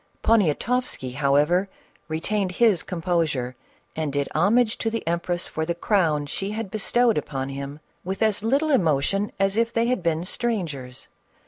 Poniatoffsky, however, retained his composure and did homage to the empress for the crown she had bestowed upon him, with as little emotion as if they had been strangers.